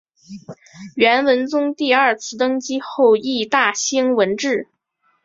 元文宗第二次登基后亦大兴文治。